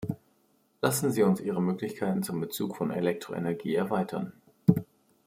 Lassen Sie uns ihre Möglichkeiten zum Bezug von Elektroenergie erweitern.